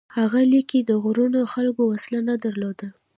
هغه لیکي: د غرونو خلکو وسله نه درلوده،